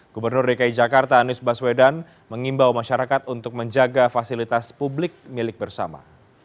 gubernur dki jakarta anies baswedan mengimbau masyarakat untuk menjaga fasilitas publik milik bersama